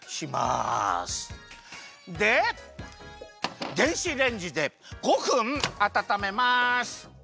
で電子レンジで５分あたためます。